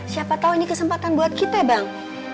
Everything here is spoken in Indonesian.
siapa tahu ini kesempatan buat kita bang